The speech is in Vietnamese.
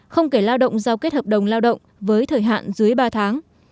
không kể lao động giao kết hợp đồng lao động với thời hạn dưới ba tháng